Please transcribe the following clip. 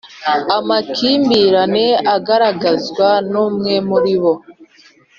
Amakimbirane Agaragazwa Numwe muribo